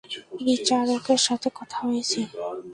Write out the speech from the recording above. বিচারকের সাথে কথা হয়েছে।